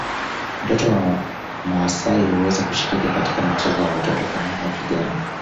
Mtoto wa maasai huweza kushiriki katika michezo ya watoto kama mapigano